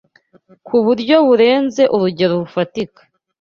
ku buryo burenze urugero rufatika